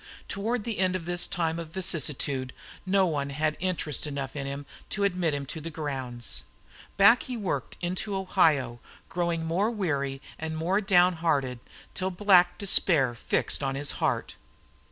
Toward the end of this time of vicissitude no one had interest enough in him to admit him to the grounds. Back he worked into Ohio, growing more weary, more down hearted, till black despair fixed on his heart.